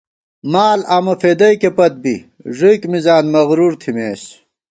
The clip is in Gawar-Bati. مال آمہ فېدَئیکےپت بی ݫُوئیک مِزان مغرور تھِمېس